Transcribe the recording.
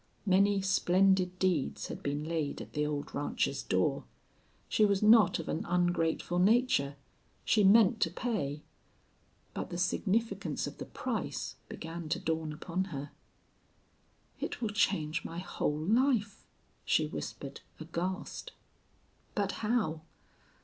Many splendid deeds had been laid at the old rancher's door. She was not of an ungrateful nature. She meant to pay. But the significance of the price began to dawn upon her. "It will change my whole life," she whispered, aghast. But how?